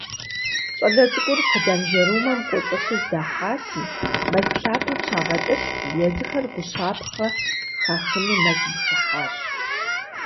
Щӏалэ цӏыкӏур хъыданжэрумэм кӏуэцӏылъу здахьати, мэз лъапэм щагъэтӏылъри, езыхэр гущапхъэ хахыну мэзым хыхьащ.